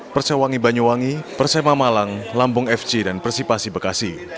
persewangi banyuwangi persemamalang lambung fc dan persipasi bekasi